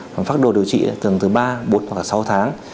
pháp đồ điều trị từ ba bốn hoặc sáu tháng